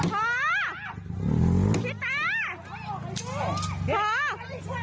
พี่แต่